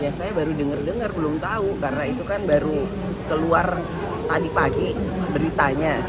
ya saya baru dengar dengar belum tahu karena itu kan baru keluar tadi pagi beritanya